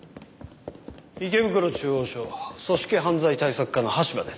池袋中央署組織犯罪対策課の羽柴です。